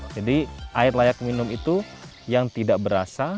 jadi air layak minum itu yang tidak berasa